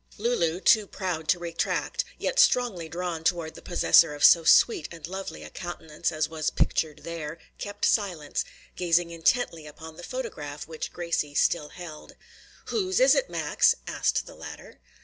Lulu, too proud to retract, yet strongly drawn toward the possessor of so sweet and lovely a countenance as was pictured there, kept silence, gazing intently upon the photograph which Gracie still held. "Whose is it, Max?" asked the latter.